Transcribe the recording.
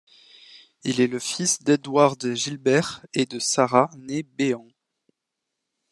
Il est le fils d’Edward Gilbert et de Sarah née Bean.